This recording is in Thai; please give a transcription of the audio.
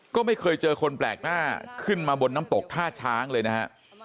ก็ไม่เคยเจอคนแปลกหน้าขึ้นมาบนน้ำตกท่าช้างเลยนะฮะ